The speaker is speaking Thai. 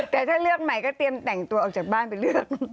แต่ถ้าเลือกใหม่ก็เตรียมแต่งตัวออกจากบ้านไปเลือก